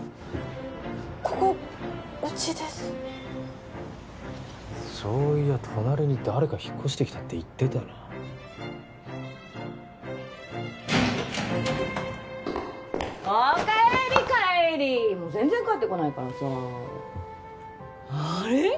ここうちですそういや隣に誰か引っ越してきたって言ってたなお帰り浬もう全然帰ってこないからさーあれ？